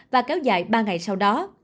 và kéo dài ba ngày sau đó